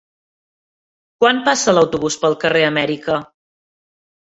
Quan passa l'autobús pel carrer Amèrica?